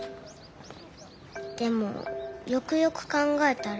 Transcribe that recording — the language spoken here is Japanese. でもよくよく考えたら。